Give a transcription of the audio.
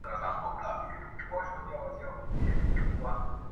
سپېرې شونډی وږې ګېډه فکر وړی،